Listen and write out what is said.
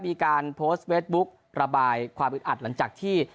มีการโพสต์เฟสบุ๊กระบายความอึดอัดหลังจากที่